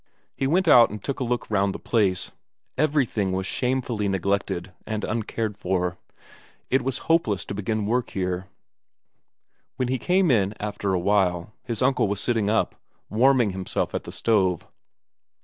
He went out and took a look round the place; everything was shamefully neglected and uncared for; it was hopeless to begin work here. When he came in after a while, his uncle was sitting up, warming himself at the stove.